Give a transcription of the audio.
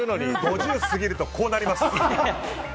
５０過ぎるとこうなります！